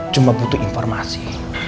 cuma butuh informasi